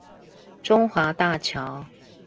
中華大橋